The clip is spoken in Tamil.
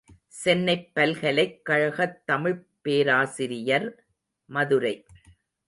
சென்னைப் பல்கலைக்கழகத் தமிழ்ப் பேராசிரியர், மதுரை.